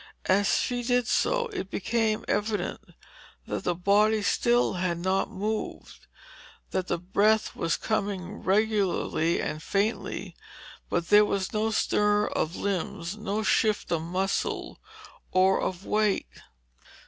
As she did so, it became evident that the body still had not moved, that the breath was coming regularly and faintly, but there was no stir of limbs, no shift of muscle or of weight.